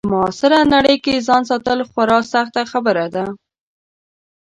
په معاصره نړۍ کې ځان ساتل خورا سخته خبره ده.